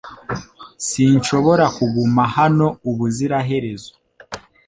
Sinshobora kuguma hano ubuziraherezo .